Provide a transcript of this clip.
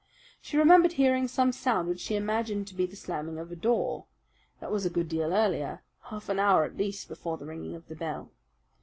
She remembered hearing some sound which she imagined to be the slamming of a door. That was a good deal earlier half an hour at least before the ringing of the bell.